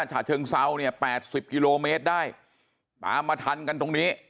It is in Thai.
ฉะเชิงเซาเนี่ย๘๐กิโลเมตรได้ตามมาทันกันตรงนี้